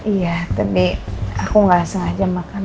iya tadi aku nggak sengaja makan